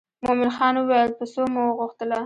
مومن خان وویل په څو مو وغوښتله.